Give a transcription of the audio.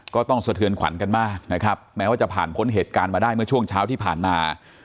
สะเทือนขวัญกันมากนะครับแม้ว่าจะผ่านพ้นเหตุการณ์มาได้เมื่อช่วงเช้าที่ผ่านมา